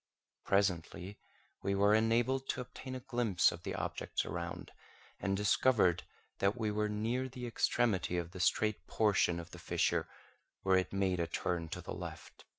Presently we were enabled to obtain a glimpse of the objects around, and discovered that we were near the extremity of the straight portion of the fissure, where it made a turn to the left.